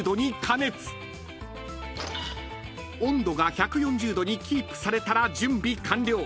［温度が１４０℃にキープされたら準備完了］